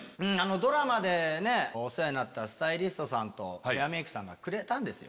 ドラマでお世話になったスタイリストさんとヘアメイクさんがくれたんですよ